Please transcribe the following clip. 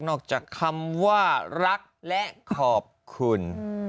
ออกจากคำว่ารักและขอบคุณ